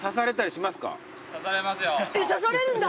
えっ刺されるんだ。